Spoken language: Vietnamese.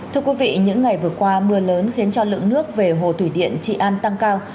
thưa quý vị những ngày vừa qua mưa lớn khiến cho lượng nước về hồ thủy điện trị an tăng cao